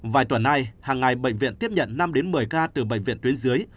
vài tuần nay hàng ngày bệnh viện tiếp nhận năm một mươi ca từ bệnh viện tuyến dưới